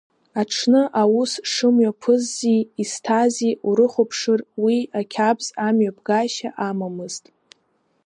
Аҽны аус шымҩаԥысзи, изҭази урыхәаԥшыр, уи ақьабз амҩаԥгашьа амамызт.